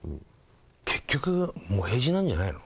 結局もへじなんじゃないの？